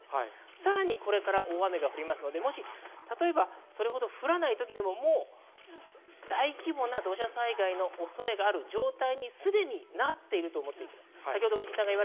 これから大雨が降りますのでそれほど降らない時でも大規模な土砂災害の恐れがある状態にすでになっていると思ってください。